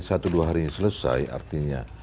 satu dua hari ini selesai artinya